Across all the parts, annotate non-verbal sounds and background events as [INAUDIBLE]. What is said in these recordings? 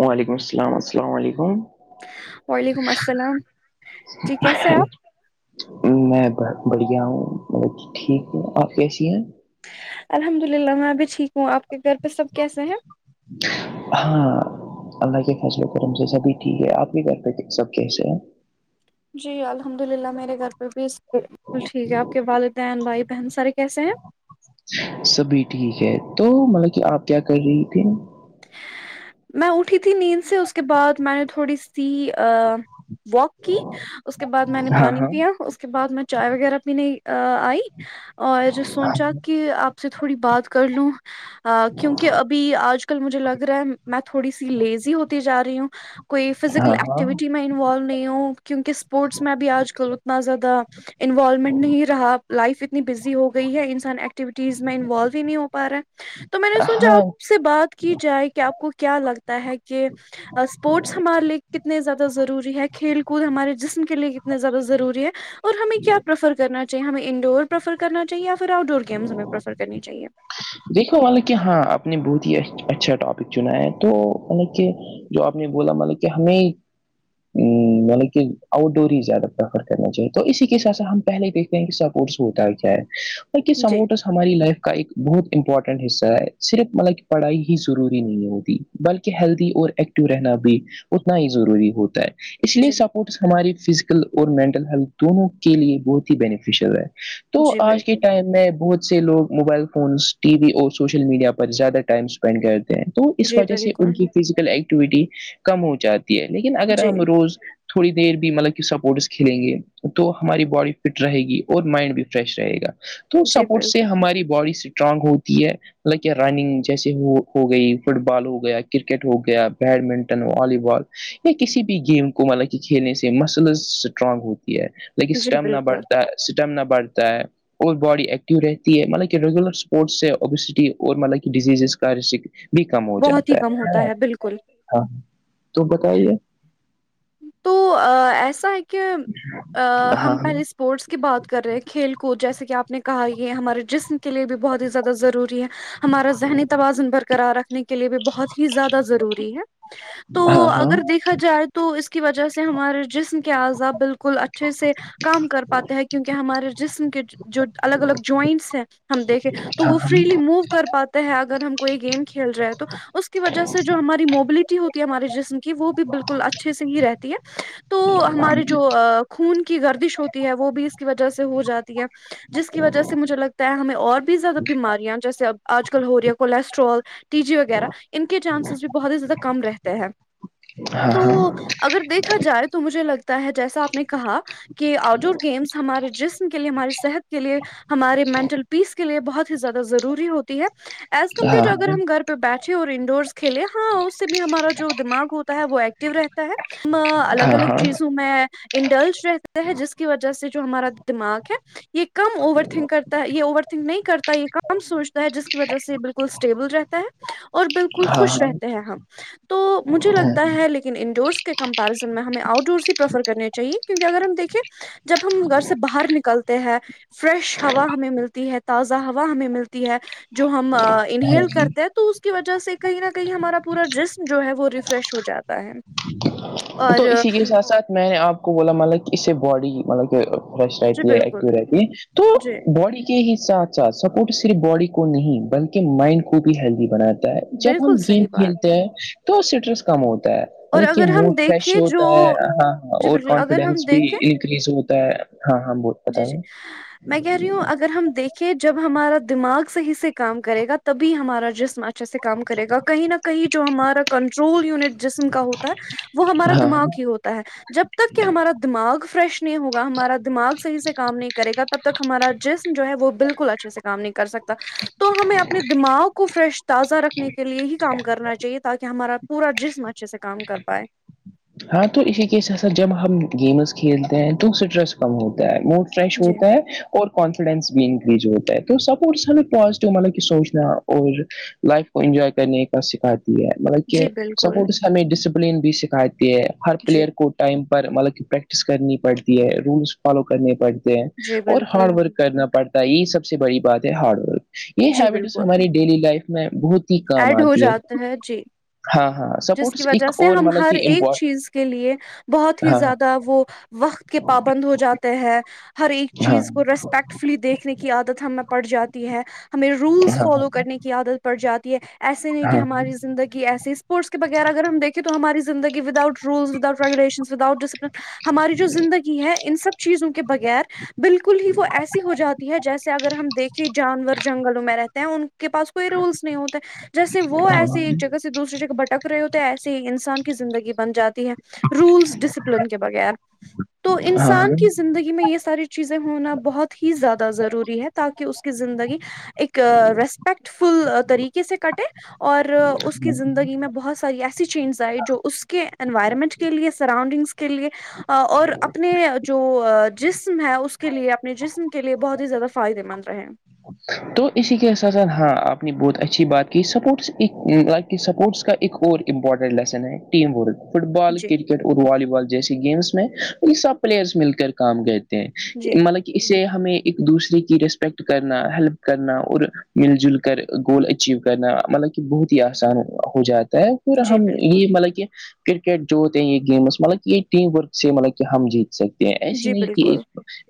وعلیکم السلام السلام علیکم وعلیکم السلام جی کیسے ہے آپ میں بہت بڑھیا ہوں ٹھیک ہے آپ کیسی ہیں الحمد للہ میں ابھی ٹھیک ہوں آپ کے گھر پہ سب کیسے ہیں ہاں اللہ کے فضلے کرم سے سبھی ٹھیک ہے آپ کے گھر پے سب کیس ہیں جی الحمد للہ میرے گھر پہ بھی بالکل ٹھیک ہے آپ کے والدین بھائی بہن سارے کیسے ہیں سبھی ٹھیک ہے تو مطلب کہ آپ کیا کر رہی تھے میں اٹھی تھی نیند سے اس کے بعد میں نے تھوڑی سی واک کی اس کے بعد میں نے ہاں پانی ہاں پیا اس کے بعد میں چائے وغیرہ پینے آئی اور سوچا کہ آپ سے تھوڑی بات کر لوں کیونکہ ابھی آج کل مجھے لگ رہا ہے میں تھوڑی سی لیزی ہوتی جا رہی ہوں کوئی فزیکل ہاں ایکٹیویٹی ہاں میں انوالو نہیں ہوں کیونکہ اسپورٹس میں بھیھی آج کل اتنا زیادہ انوالومنٹ نہیں رہا لائف تنی بزی ہو گئی ہے انسان ایکٹیوٹیز میں انوالو ہی نہیں ہو پا رہا ہے تو میں نے سوچا ہاں آپ سے بات کی جائے کہ آپ کو کیا لگتا ہے کہ اسپورٹس ہمارے لیے کتنے زیادہ ضروری ہے کھیل کود ہمارے جسم کے لیے کتنے زیادہ ضروری ہے اور ہمیں کیا پریفر کرنا چاہیے ہمیں انڈور پرریفر کرنا چاہیے یا پھر آؤٹ ڈور گیمس ہمیں پریفر کرنی چاہیے دیکھو حانکہ کہ ہاں آپ نے بہت ہی اچھا ٹاپک چنا ہے تو مطلب کہ جو آپ نے بولا ملک کہ ہمیں کہ آؤٹ ڈور ہی زیادہ پریفر کرنا چاہیے تو اسی کے ساتھ س ہم پہلے بھی کہ سپورٹس ہوتا ہے کیا ہے یہ جی سپورٹس ہماری لائف کا ایک بہت امپورٹنٹ حصہ ہے صرف مطلب پڑھائی ہی ضروری نہیں ہوتی بلکہ ہیلدی اور اک ٹیو رہنا بھی اتنا ہی ضروری ہوتا ہے اس لیے جی سپورٹس ہماری فزیکل اور مینٹل ہیلتھ دونوں کے لیے بہت ہی بینیفیشیل ہے تو جی آج کے بالکل ٹائم میں بہت سے لوگ موبائل فونس ٹی وی اور سوشل میڈیا پر زیادہ ٹائم اسپینڈ کرتے ہیں تو اس جی وجہ سے بالکل ان کی فزیکل ایکٹیویٹی کم ہو جاتی ہے لیکن اگر جی ہم روز تھوڑی دیر بھی مطلب کہ سپورٹس کھیلیں گے تو ہماری باڈی فٹ رہے گی اور مائنڈ بھی فریش رہے گا تو جی سپورٹ سے بالکل ہماری باڈی اسٹرانگ ہوتی ہے مطلب کہ رننگ جیسے ہو ہو گئی فٹ بال ہو گیا کرکٹ ہو گیا بیڈمنٹن والی بال یا کسی بھی گیم کو مطلب کہ کھیلنے سے مسلز اسٹرانگ ہوتی ہے لیکن جی اسٹمنا بالکل بڑھتا ہے اسٹمنا بڑھتا ہے اور باڈی ایکٹو رہتی ہے مطلب کہ ریگولر سے وبسکتے اور مطلب ڈزیزز کا ر بھی کم ہو بہت ہی جاتا کم ہوتا ہے بالکل ہاں تو بتائیے تو آ ایسا ہے کہ ہاں ہم پہلے اسپورٹس کی بات کر رہے ہیں کھیل کود جیسے کہ آپ نے کہا یہ ہمارے جسم کے لیے بھی بہت ہی زیادہ ضروری ہے ہمارا ذہنی توازن برقرار رکھنے کے لیے بھی بہت ہی زیادہ ضروری ہے تو ہاں ہاں اگر دیکھا جائے تو اس کی وجہ سے ہمارے جسم آزاب بالکل اچھے سے کام کر پاتے ہیں کیونکہ ہمارے جسم کے جو الگ الگ جوائنٹس ہیں ہم دیکھیں تو ہاں وہ فریلی موو کر پاتے ہے اگر ہم کوئی گیم کھیل رہے ہیں تو اس کی وجہ سے جو ہماری موبلٹی ہوتی ہمارے جسم کی وہ بھی بالکل اچھا اچھے سے ہی رہتی ہے تو ہماری جو خون کی گردش ہوتی ہے وہ بھی اس کی وجہ سے ہو جاتی ہے جس کی وجہ سے مجھے لگتا ہے ہمیں اور بھی زیادہ بیماریاں جیسے اب آج کل ہو رہی ہے کولیسٹرول ٹی جی وغیرہ ان کے چانسز بھی بہت ہی زیادہ کم رہتے ہیں ہاں ہاں تو اگر دیکھا جائے تو مجھے لگتا ہے جیسا آپ نے کہا کہ آؤٹ ڈور گیمس ہمارے جسم کے لیے ہماری صحت کے لیے ہمارے مینٹل پیس کے لیے بہت زیادہ ضروری ہوتی ہے ایز کمپیئر و اگر ہم گھر پہ بیٹھے اور انڈورس کے کھیلے ہاں اس سے بھی ہمارا جو دماغ ہوتا ہے وہ ایک رہتا ہے ہم الگ ہاں الگ ہاں چیزوں میں انڈل رہتا ہے جس کی وجہ سے جو ہمارا دماغ ہے یہ کم اوور تھنک کر یہ اوور تھنک نہیں کر یہ کام سوچتا ہے جس کی وجہ سے یہ بالکل اسٹیبل رہتا ہے اور بالکل ہاں خوش ہاں رہتے ہیں ہم تو مجھے لگتا ہے لیکن انڈورس کے کمپیرزن میں ہمیں آؤٹ ڈورس ہی پرریفر کرنے چاہیے کیونکہ اگر ہم دیکھیں جب ہم گھر سے باہر نکلتے ہیں فریش ہوا ہمیں ملتی ہے تازہ ہوا ہمیں ملتی ہے جو ہم انہیل کرتے ہیں تو اس کی وجہ سے کہیں نہ کہیں ہمارا پورا جسم جو ہے وہ ریفریش ہو جاتا ہے اور تو اسی کے ساتھ ساتھ میں آپ کو بولا مطلب کہ اس سے باڈی مطلب کہ فریش جی رہتی ہے بالکل ایکٹو رہتی ہے تو جی باڈی کے ہی ساتھ ساتھ سپورٹ صرف باڈی کو نہیں بلکہ مائنڈ کو بھی ہیلدی بناتا ہے جب ہم بالکل صحیح گیم بات ہے کھیلتے ہیں تو اسٹریس کم ہوتا ہے اور مطلب کہ اگر ہم موڈ فریش دیکھیں جو ہوتا ہے ہاں ہاں جی اور بالکل اگر ہم کانفیڈینس بھی دیکھیں انکریز ہوتا ہے ہاں ہاں بو جی جی میں کہہ رہی ہوں اگر ہم دیکھ کہ جب ہمارا دماغ صحیح سے کام کرے گا تبھی ہمارا جسم اچھا اچھے سے کام کرے گا کہیں نہ کہیں جو ہمارا کنٹرول یونٹ جسم کا ہوتا وہ ہمارا ہے ہاں دماغ ہی ہوتا ہے جب تک کہ ہمارا دماغ فریش نہیں ہوگا ہمارا دماغ سہی سے کام نہیں کرے گا تب ہمارا جسم جو ہے وہ بالکل اچھے سے کام نہیں کر سکتا تو ہمیں اپنے دماغ کو فریش تازہ رکھنے کے لیے ہی کام کرنا چاہیے تاکہ ہمارا پورا جسم اچھے سے کام کر پائے ہاں تو اسی کے جب ہم گیمز کھیلتے ہیں تو اسٹریس کم ہوتا ہے موڈ فریش جی ہوتا ہے اور کانفیڈینس بھی انکریز ہوتا ہے تو سپس ہمیں پازیٹیو مطلب کہ سوچنا اور لائف کو انجوائے کرنے کا سکھا مطلب کہ جی بالکل سپورٹس ہمیں ڈسپلین بھی سکھاتی ہے ہر جی پلیئر کو ٹائم پر مطلب کہ پریکٹس کرنی پڑتی ہے رولس فالو کرنے پڑتے ہیں جی اور بالکل ہارڈ ورک کرنا پڑتا ہے یہی سب سے بڑی بات ہے ہارڈ ورک یہ جی ہیبٹس بالکل ہماری ڈیلی لائف میں بہت کام ایڈ ہو آتی ہے جاتا جی ہاں ہاں جس کی سپورٹس وجہ ایک سے اور ہم مطلب ہر ایک کہمپورٹ چیز کے لیے بہت ہی زیادہ وہ وقت کے پابند ہو جاتے ہیں ہر ایک ہاں چیز کو ریسپیکٹ فلی دیکھنے کی عادت ہمیں پڑ جاتی ہے ہمیں رولس ہاں فالو کرنے کی عادت پڑ جاتی ہے ایسے نہیں کہ ہاں ہماری زندگی ایسی اسپورٹس کے وغیر اگر ہم دیکھیں تو ہماری زندگی without rules without regulation without discipline ہماری جو زندگی ہے ان سب چیزوں کے بغیر بالکل ہی وہ ایسی ہو جاتی ہے جیسے اگر ہم دیکھیں جانور جنگلوں میں رہتے ان کے پاس کوئی رولس نہیں ہوتے جیسے وہ ہاں ایسی ایک ہاں جگہ سے دوسری جگہ بٹک رہے ہوتے ایسے ہی انسان کی زندگی بن جاتی ہے رولس ڈسپلن کے بغیر تو انسان ہاں کی زندگی میں یہ ساری چیزیں ہونا بہت ہی زیادہ ضروری ہے تاکہ اس کی زندگی ایک ریسپیکٹ فل طریقے سے کٹے اور اس کی زندگی بہت ساری ایسی چینجز آئی جو اس کے انوائرمنٹ کے لیے سراؤنڈنگس کے لیے اور اپنے جو جسم ہے اس کے لیے اپنے جسم کے لیے بہت ہی زیادہ فائدے مند رہے تو اسی کے ساتھ ساتھ ہاں آپ نے بہت اچھی بات کی سپورٹس کہ سپورٹس کا ایک اور امپورٹنٹ لیسن ہے ٹیم ورک فٹ بال جی کرکٹ اور والی بال جیسی گیمس میں یہ سب پلیئرس مل کر کام گئے تھ جی مطلب کہ اسے ہمیں ایک دوسرے کی رسپیکٹ کرنا ہیلپ کرنا اور مل جل کر گول اچیو کرنا مطلب کہ بہت ہی آسان ہو جاتا ہے پورا جی ہم بالکل یہ مطلب کہ کرکٹ جو ہوتے ہیں یہ گیم مطلب کہ یہ ٹیم ورک سے مطلب کہ ہم جیتے سکتے ہیں ایسی جی نہیں کہ بالکل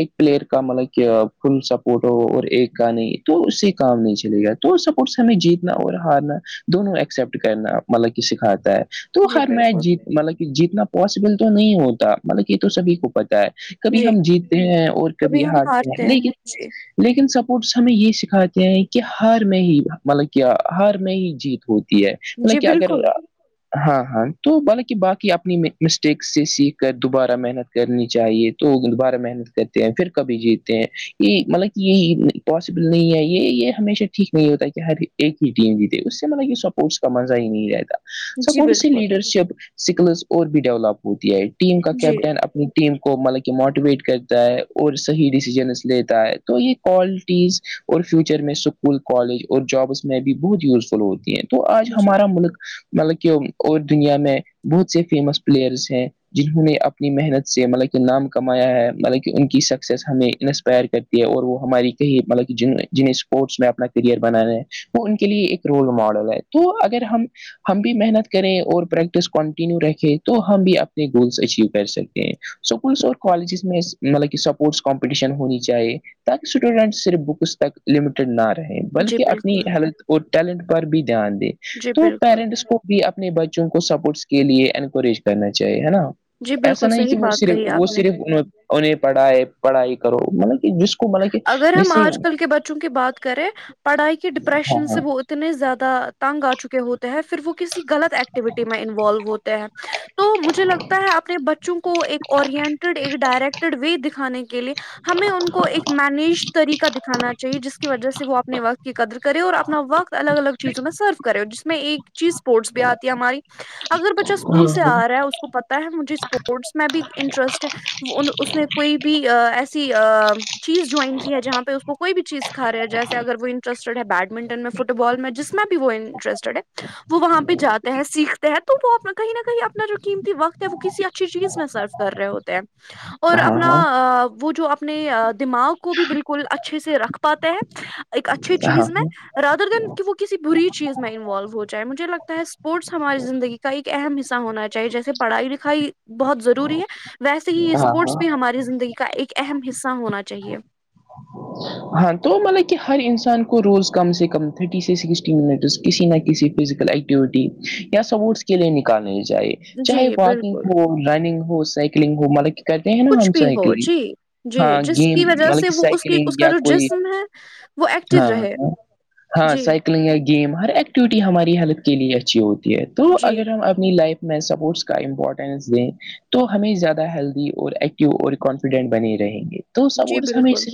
ایک پلیئر کا مطلب کہ فل سپورٹ ہو اور ایک کا نہیں تو اس سے کام نہیں چلے گا تو سپٹ سے ہمیں جیتنا اور ہارنا دونوں ایکسپٹ کرنا مطلب کہ سکھاتا ہے تو جی ہر میچ بالکل جیت مطلب کہ جیتنا پاسبل تو نہیں ہوتا مطلب یہ تو سبھی کو پتا ہے کبھی جی ہم جیتتے ہیں اور کبھی ہارتے ہیں لیکن لیکن سپورٹس ہمیں یہ سکھاتے ہیں کہ ہار میں ہی مطلب کیا ہار میں ہی جیت ہوتی جی مطلب کہ اگر بالکل ہاں ہاں تو بالاک باقی اپنی مسٹیکس سے سیکھ کر دوبارہ محنت کرنی چاہیے تو دوبارہ محنت کرتے ہیں پھر کبھی جیتے ہیں یہ مطلب کہ یہ پاسبل نہیں ہے یہ ہمیشہ ٹھیک نہیں ہوتا ہے کہ ہر ایک ہی ٹیم جیتے اس سے مطلب یہ سب اسپس کا مز ہی نہیں رہتا جی سپورٹ سے بالکل لیڈرشپ اسکلس اور بھی ڈیولپ ہوتی ہے ٹیم کا جی کیپٹن اپنی ٹیم کو مطلب کہ موٹیویٹ کرتا ہے اور صحیح ڈیسیزنس لیتا ہے تو یہ کال اور فیوچر میں اسکول کالج اور جابس میں بھی بہت یوزفل ہوتی ہیں تو آج جی ہمارا ملک مطلب کہ اور دنیا میں بہت سے فیمس پلیئرس ہیں جنہوں نے اپنی محنت سے مطلب کہ نام کمایا ہے مطلب کہ ان کی سکسیس ہمیں انسپائر کر اور وہ ہماری کہ مطلب جنہیں اسپورٹس میں اپنا کرئر بنانے ہیں وہ ان کے لیے ایک رول ماڈل ہے تو اگر ہم ہم بھی محنت کریں اور پریکٹس کنٹینیو رکھیں تو ہم بھی اپنے گولس اچیو کر سکتے ہیں اسکولس اور کالجز میں مطلب کہ سپورٹس کمپٹیشن ہونی چاہیے تاکہ اسٹوڈنٹس صرف بکس تک لمیٹڈ نہ رہے جی بلکہ اپنی بالکل ہیلتھ اور ٹیلنٹ پر بھی دھیان دے جی تو بالکل پیرنٹس کو بھی اپنے بچوں کو سپورٹس کے لیے انکریج کرنا چاہیے ہے نا جی ایسا بالکل نہیں صحیح کہ وہ بات صرف کہی وہ آپ نے صرف انہیں پڑھائے پڑھائی کرو مطلب کہ جس کو مطلب کہ اگر ہم جس سے آج کل کے بچوں کی بات کریں پڑھائی کے ہاں ڈپریشن سے بہت اتنے زیادہ تنگ آ چکے ہوتے ہیں پھر وہ کسی غط ایکٹیویٹی میں انوالو ہوتے ہیں تو مجھے لگتا ہے اپنے بچوں کو ایک اورینٹیڈ ایک ڈائریکٹیڈ وے دکھانے کے لیے ہمیں ان کو ایک مینیج طریقہ دکھانا چاہے جس کی وجہ سے وہ اپنے وقت کی قدر کرے اور اپنا وقت الگ الگ چیزوں میں سرف کرے ہو جس میں ایک چیز اسپورٹس بھی آتی ہے ہماری اگر بچہ اسکول سے ہاں آ رہا ہے اس کو پتا مجھے اسپورٹس میں بھی انٹرسٹ ہے اس نے کوئی بھی اں ایسی اں چیز جوائن کی ہے جہ پہ اس کوئی بھی چیز سکھا ہے جسے اگر وہ انٹرسٹیڈ ہے بیڈمنٹن میں فٹ بال میں جس میں بھی وہ انٹرسٹیڈ ہے وہ وہاں پہ جاتے ہیں سیکھتے ہیں تو وہ اپنا کہیں نہ کہیں اپنا جو قیمتی وقت ہے وہ کسی اچھی چیز میں سرو کر رہے ہوتے ہیں اور ہاں اپنا ہاں وہ جو اپنے دماغ کو بھی بالکل اچھے سے رکھ پاتے ہیں ایک اچھے ہاں چیز میں رادر دھن کہ وہ کسی بری چیز میں انوالو ہو جائے مجھے لگتا ہے اسپورٹس ہماری زندگی کا ایک اہم حصہ ہونا چاہیے جیسے پڑھائی لکھائی بہت ضروری ہے ویسے ہی یہ ہاں اسپورٹس ہاں بھی ہماری زندگی کا ایک اہم حصہ ہونا چاہیے ہاں تو مطلب کہ ہر انسان کو روز کم سے کم تھرٹی سے سکسٹی منٹ کسی نہ کسی فزیکل یا سپورٹس کے لیے نکالنی چاہیے جی چاہے واکنگ بالکل ہو رننگ ہو سائکلنگ ہو ملا کرتے ہیں نا کچھ ہم بھی ہو سائیکلنگ جی جی ہاں جس گیم کی وجہ مطلب سے کہ وہ اس کی سائیکلنگ اس کا یا جو کوئی جسم ہے وہ ایکٹو ہاں رہے ہاں جی سائ یا گیم ہر ایکٹیویٹی ہماری ہیلتھ کے لیے اچھی ہوتی ہے تو جی اگر ہم اپنی لائف میں سپورٹس کا امپورٹینس دیں تو ہمیں زیادہ ہیلدی اور ایکٹیو اور کانفیڈنٹ بنے رہیں گے تو جی سپورٹس ہمیں اس بالکل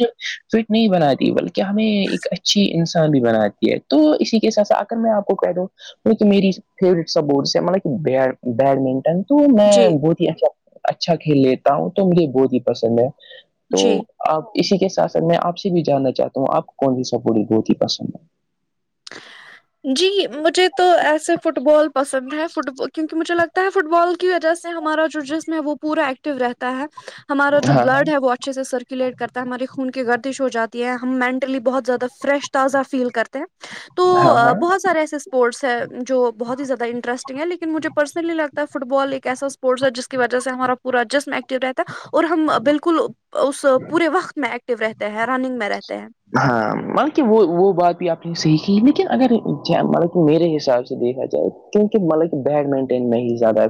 فٹ نہیں بناتی بلکہ ہمیں ایک اچھی انسان بھی بناتی ہے تو اسی کے ساتھ آ کر میں آپ کو کہہ دوں وہ تو میری فیورٹ سپورٹس ہے مطلب کہ بی بیڈمنٹن تو میں جی بہت ہی اچھا اچھا کھیل لیتا ہوں تو مجھے بہت ہی پسند ہے تو جی آپ اسی کے ساتھ ساتھ میں آپ سے بھی جاننا چاہتا ہوں آپ کون سی سپورٹ بہت ہی پسند ہے ہ [INAUDIBLE] جی مجھے تو ایسے فٹ بال پسند ہے فٹ کیونکہ مجھے لگتا ہے فٹ بال کی وجہ سے ہمارا جو جسم ہے وہ پورا ایکٹو رہتا ہے ہمارا ہے جو ہاں بلڈ ہے وہ اچھے سے سرکولیٹ کرتا ہماری خون کی گردش ہو جاتی ہے ہم منٹلی بہت زیادہ فریش تازہ فیل کرتے ہیں تو ہاں ہاں بہت سارے ایسے اسپورٹس ہے جو بہت ہی زیادہ انٹسٹنگ ہے لیکن مجھے پرسنلی لگتا ہے فٹ بال ایک ایسا اسپورٹس ہے جس کی وجہ سے ہمارا پورا جسم ایکٹو رہتا ہے اور ہم بالکل اس پورے وقت میں ایکٹو رہتے ہیں رننگ میں رہتے ہیں ہاں بلکہ کہ وہ وہ بات بھی آپ نے سیکھی لیکن ایگزیمنر کو میرے حساب سے دیکھا جائے کیونکہ ملک کہ بیڈمنٹن میں ہی زیادہ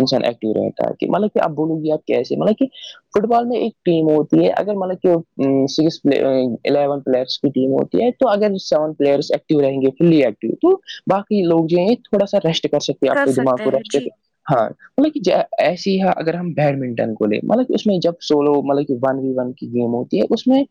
انسان ایکٹیو رہتا ہے کہ مطلب کہ آپ بولو گی آپ کیسے مطلب کہ فٹ بال میں ایک ٹیم ہوتی ہے اگر ملنگ کہ سیوک الیون پلیئرس کی ٹیم ہوتی ہے تو اگر سیون پلیئرس ایکٹو رہیں گے فلی ایکٹیو تو باقی لوگ جو ہیں تھوڑا سا ریسٹ کر سکتے ہیں اپنے دماغ سکتے کو ہیں ریسٹ جی ہاں مطلب کہ ایسی ہے اگر ہم بیڈمنٹن کو لیں مطلب کہ اس میں جب سولو مطلب ون ون کی گیم ہو اس میں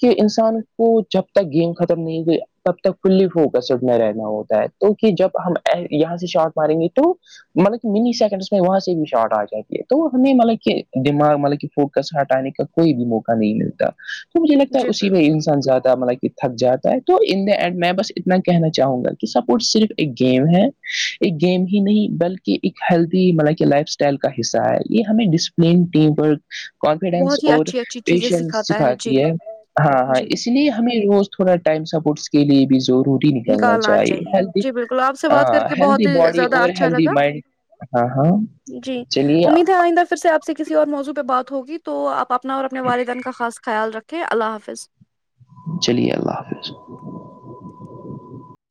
کہ انسان کو جب تک گیم ختم نہیں ہو گئی تب تک فلی فوکسڈ میں رہنا ہوتا ہے کیونکہ جب ہم اینڈ یہاں سے شارٹ ماریں گے تو مطلب کہ منی سیکنڈس میں وہاں سے بھی شارٹ آ جاتی ہے تو وہ ہمیں ملگ کہ دماغ میں ملک کہ فوکس ہٹانے کا کوئی بھی موقع نہیں ملتا تو مجھے لگتا ہے جی اسی میں بالکل انسان زیادہ ملگ تھک جاتا ہے تو ان دا اینڈ میں بس اتنا کہنا چاہوں گا کہ سپورٹ صرف ایک گیم ہے ایک گیم ہی نہیں بلکہ ایک ہیلدی مطلب کہ لائف اسٹائل کا حصہ ہے یہ ہمیں ڈسپ ٹیم ورک کانفیڈینس بہت ہی اور اچھی اچھی چیزیں پیشنس سکھاتا جی سکھاتی ہے ہاں ہاں جی اس لیے ہمیں روز تھوڑا ٹائم سپورٹس کے لیے بھی ضروری نکلنا نکالنا چاہیے ہیلدی جی بالکل آپ سے بات کر ہاں کے بہت ہیلدی ہی باڈی زیادہ اور اچھا ہیلدی لگا مائنڈ ہاں ہاں جی چلیے امید ہے آئندہ پھر سےپ سے کسی اور موضوع پہ بات ہوگی تو آپ اپنا اور اپنے والدین کا خاص خیال رکھیں اللہ حافظ چلیے اللہ حافظ